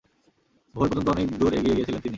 ভোর পর্যন্ত অনেক দূর এগিয়ে গিয়েছিলেন তিনি।